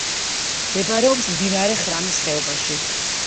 მდებარეობს მდინარე ხრამის ხეობაში.